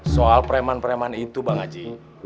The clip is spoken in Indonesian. soal preman preman itu bang haji